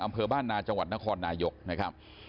อำเภอบ้านนาจังหวัดนครนายกนะครับ